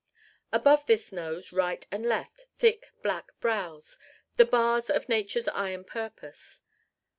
Above this nose, right and left, thick black brows, the bars of nature's iron purpose.